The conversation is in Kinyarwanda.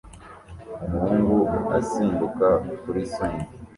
umuhungu asimbuka kuri swing